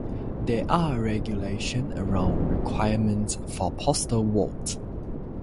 There are regulations around requirements for postal votes